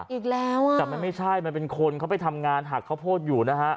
อีกแล้วอ่ะแต่มันไม่ใช่มันเป็นคนเขาไปทำงานหักข้าวโพดอยู่นะฮะ